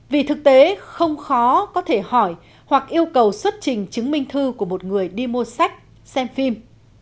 vì thực tế không khó có thể hỏi hoặc yêu cầu xuất trình chứng minh thư của một người đi mua sách xem phim